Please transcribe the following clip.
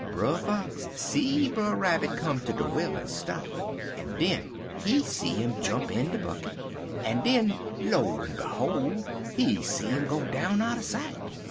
Brer Fox see Brer Rabbit come to de well en stop, en den he see 'im jump in de bucket, en den, lo en behol's, he see 'im go down outer sight.